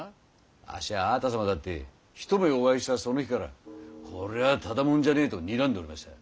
あっしはあなた様だって一目お会いしたその日からこりゃあただもんじゃねぇとにらんでおりました。